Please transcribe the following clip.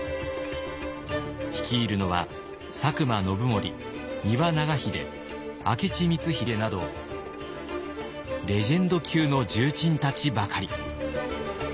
率いるのは佐久間信盛丹羽長秀明智光秀などレジェンド級の重鎮たちばかり。